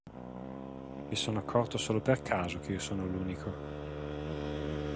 Mi sono accorto solo per caso che io sono l'unico.